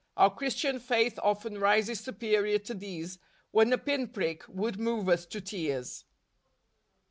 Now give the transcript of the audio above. Our Christian faith often rises superior to these, when a pin prick would move us to tears."